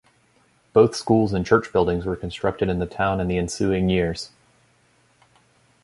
Both schools and church buildings were constructed in the town in the ensuing years.